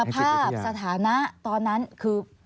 ที่เป็นสถานะตอนนั้นคือ